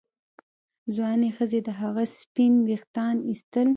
ځوانې ښځې د هغه سپین ویښتان ایستل.